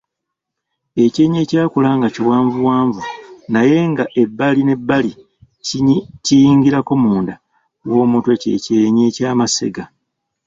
Ekyenyi ekyakula nga kiwanvuwanvu naye nga ebbali n’ebbali kiyingirako munda w’omutwe kye kyenyi ky’amasega.